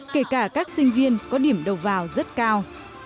kể cả các sinh viên có điểm đầu vào rất cao